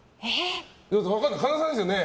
神田さんですよね。